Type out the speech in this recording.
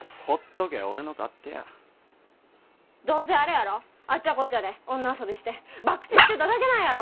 どうせあれやろあっちゃこっちゃで女遊びして博打してただけなんやろ。